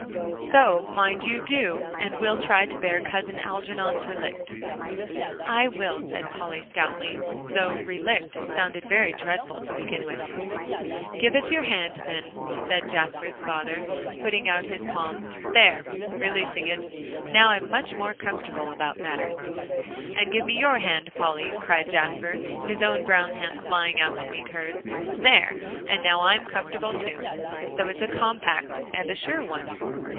"So mind you do, and we'll try to bear Cousin Algernon's relict." "I will," said Polly stoutly, though "relict" sounded very dreadful to begin with. "Give us your hand, then," said Jasper's father, putting out his palm. "There!" releasing it, "now I'm much more comfortable about matters." "And give me your hand, Polly," cried Jasper, his own brown hand flying to meet hers. "There! and now I'm comfortable too! So it's a compact, and a sure one!"